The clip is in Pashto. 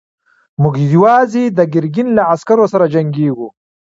موږ يواځې د ګرګين له عسکرو سره جنګېږو.